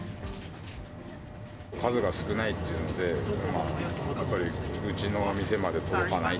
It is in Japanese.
数が少ないっていうので、やっぱりうちの店まで届かない。